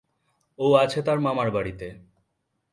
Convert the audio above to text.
ও আছে তার মামার বাড়িতে।